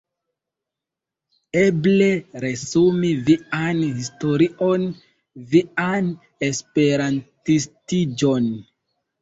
Eble resumi vian historion, vian esperantistiĝon.